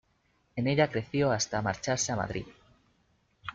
En ella creció hasta marcharse a Madrid.